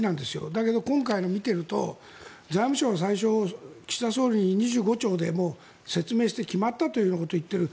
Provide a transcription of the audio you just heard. だけど、今回の見てると財務省、最初岸田総理に２５兆で説明して決まったというようなことを言っている。